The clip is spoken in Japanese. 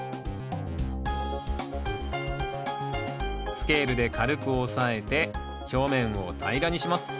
スケールで軽く押さえて表面を平らにします。